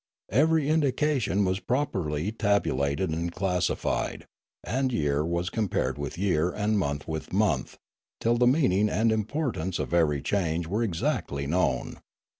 Every indication was properly tabulated and classified, and year was compared with year and month with month, till the meaning and importance of every change were exactly known.